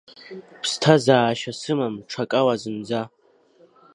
Ԥсҭазаашьа сымам ҽакала зынӡа.